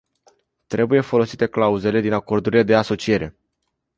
Trebuie folosite clauzele din acordurile de asociere.